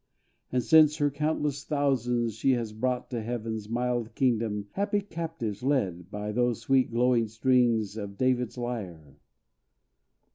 And since, her countless thousands she has brought To heaven's mild kingdom, happy captives led, By those sweet glowing strings of David's lyre.